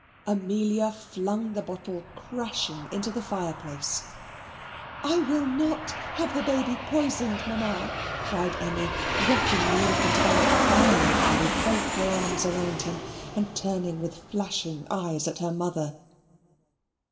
Amelia flung the bottle crashing into the fire place. "I will NOT have baby poisoned, Mamma," cried Emmy, rocking the infant about violently with both her arms round him and turning with flashing eyes at her mother.